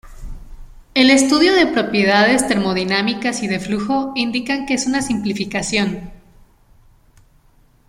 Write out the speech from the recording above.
El estudio de propiedades termodinámicas y de flujo indican que es una simplificación.